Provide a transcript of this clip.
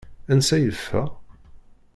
Ansa i yeffeɣ?